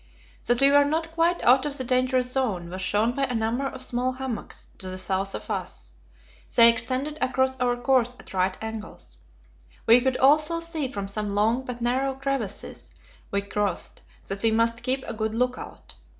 That we were not quite out of the dangerous zone was shown by a number of small hummocks to the south of us. They extended across our course at right angles. We could also see from some long but narrow crevasses we crossed that we must keep a good look out.